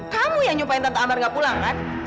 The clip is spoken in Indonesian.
kamu yang nyumpain tante ambar gak pulang kan